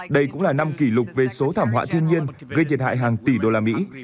đây cũng là năm kỷ lục về số thảm họa thiên nhiên gây thiệt hại hàng tỷ đô la mỹ